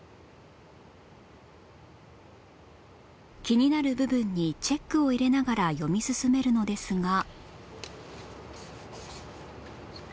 気になる部分にチェックを入れながら読み進めるのですが